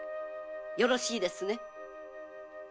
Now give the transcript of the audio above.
よろしいですね？